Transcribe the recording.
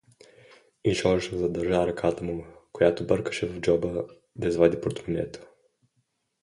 — И Жоржу задържа ръката му, която бъркаше в джоба, да извади портмонето.